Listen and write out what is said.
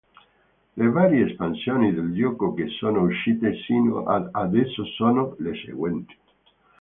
Le varie espansioni del gioco che sono uscite sino ad adesso sono le seguenti.